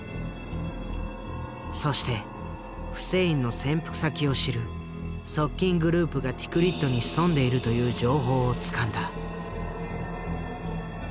そしてフセインの潜伏先を知る側近グループがティクリットに潜んでいるという情報をつかんだ。